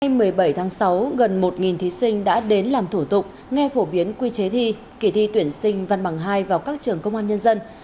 hôm nay một mươi bảy tháng sáu gần một thí sinh đã đến làm thủ tục nghe phổ biến quy chế thi kỳ thi tuyển sinh văn bằng hai vào các trường công an nhân dân